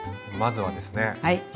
まずはですね